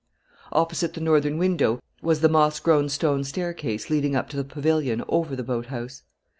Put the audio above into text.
Opposite the northern window was the moss grown stone staircase leading up to the pavilion over the boat house.